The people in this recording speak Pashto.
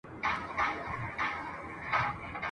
بیا نو ولاړ سه آیینې ته هلته وګوره خپل ځان ته ..